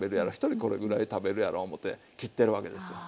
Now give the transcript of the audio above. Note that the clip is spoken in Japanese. これぐらい食べるやろ思うて切ってるわけですわ。